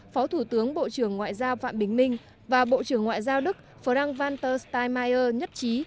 phó thủ tướng bộ trưởng ngoại giao phạm bình minh và bộ trưởng ngoại giao đức frank vanter steinmeier nhất trí